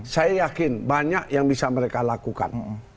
saya yakin banyak yang bisa mereka lakukan